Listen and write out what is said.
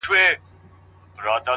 زه به د ميني يوه در زده کړم ـ